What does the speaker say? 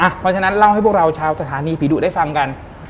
เพราะฉะนั้นเล่าให้พวกเราชาวสถานีผีดุได้ฟังกัน